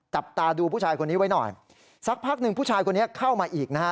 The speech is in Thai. จับตาดูผู้ชายคนนี้ไว้หน่อยสักพักหนึ่งผู้ชายคนนี้เข้ามาอีกนะฮะ